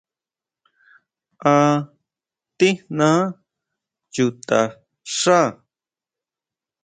¿A tijná chuta xá?